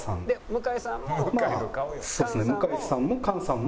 「で向井さんも菅さんも」